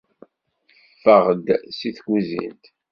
Ffeɣ-d seg tkuzint!